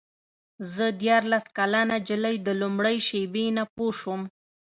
زه دیارلس کلنه نجلۍ د لومړۍ شېبې نه پوه شوم.